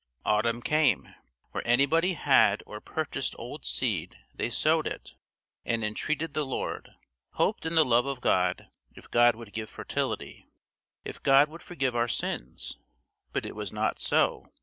Autumn came. Where anybody had or purchased old seed, they sowed it; and entreated the Lord, hoped in the love of God, if God would give fertility, "if God would forgive our sins." But it was not so.